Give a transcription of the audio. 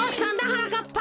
はなかっぱ。